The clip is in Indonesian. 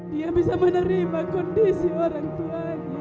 dia bisa menerima kondisi orang tuanya